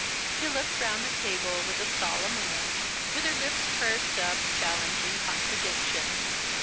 She looked round the table with a solemn air, with her lips pursed up, challenging contradiction.